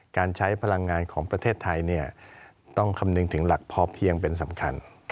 การใช้พลังงานของประเทศไทยต้องคำนึงถึงหลักพอเพียงเป็นสำคัญ